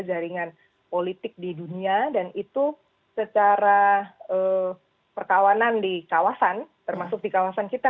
jaringan politik di dunia dan itu secara perkawanan di kawasan termasuk di kawasan kita